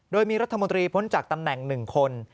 โดยมีรัฐมนตรีพ้นจากตำแหน่ง๑คน